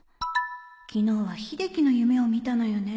昨日は秀樹の夢を見たのよね